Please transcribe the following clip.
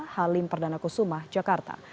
halim perdana kusumah jakarta